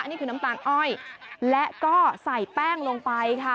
นี่คือน้ำตาลอ้อยและก็ใส่แป้งลงไปค่ะ